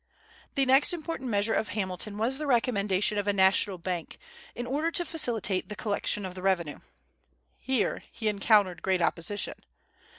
The next important measure of Hamilton was the recommendation of a National Bank, in order to facilitate the collection of the revenue. Here he encountered great opposition.